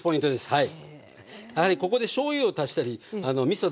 はい。